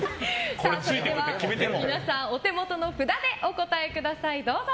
では、皆さんお手元の札でお答えください、どうぞ。